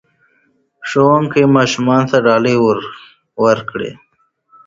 ښوونکي ماشومانو ته ډالۍ ورکړې.